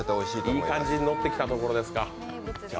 いい感じにのってきたところですか。